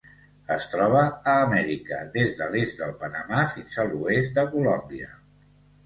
Es troba a Amèrica: des de l'est de Panamà fins a l'oest de Colòmbia.